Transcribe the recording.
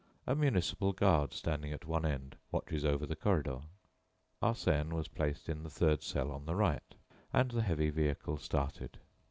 A municipal guard, standing at one end, watches over the corridor. Arsène was placed in the third cell on the right, and the heavy vehicle started.